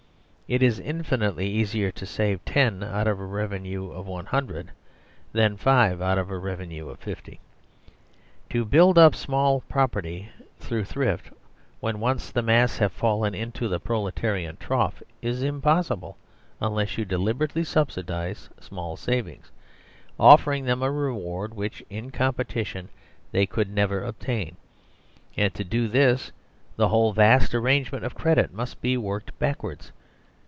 It is infinitely easier to save ;io out of a revenue of ^100 than 5 out of a revenue of 50. To build up small property through thrift when once the Mass have fallen into the proletarian trough is impossible unless you deliber ately subsidise small savings, offering them a reward which, incompetition, they could never obtain; and to do this the whole vast arrangement of credit must be worked backwards.